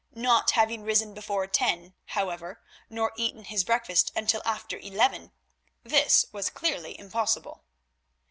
Not having risen before ten, however, nor eaten his breakfast until after eleven, this was clearly impossible.